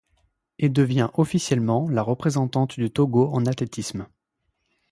Et devient officiellement la représentante du Togo en athlétisme.